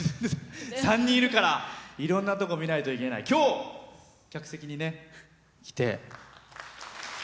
３人いるからいろんなとこを見ないといけない今日、客席に来て。